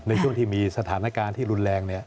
ในช่วงที่มีสถานการณ์ที่รุนแรง